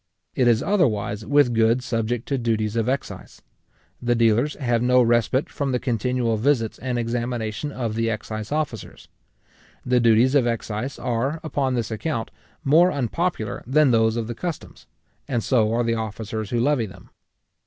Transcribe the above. It is otherwise with goods subject to duties of excise. The dealers have no respite from the continual visits and examination of the excise officers. The duties of excise are, upon this account, more unpopular than those of the customs; and so are the officers who levy them.